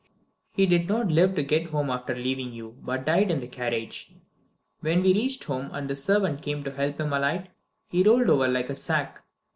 "He did not live to get home after leaving you, but died in the carriage. When we reached home and the servants came to help him alight, he rolled over like a sack.